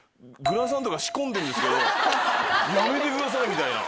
やめてください！みたいな。